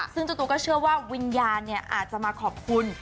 ซึ่งเจ้าตัวก็เชื่อว่าวิญญาณอาจจะมาขอบคุณ